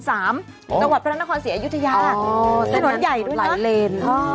สวาสตร์พระราชนคร๔อยู่ทะเยาะเส้นน้อยใหญ่ด้วยนะ